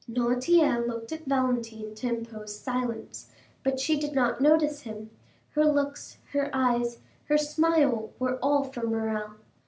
Noirtier looked at Valentine to impose silence, but she did not notice him; her looks, her eyes, her smile, were all for Morrel.